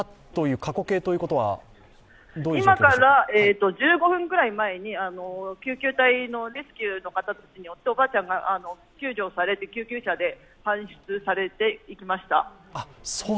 今から１５分くらい前に救急隊のレスキューの方たちにおばあちゃんが救助されて救急車で搬送されていきました。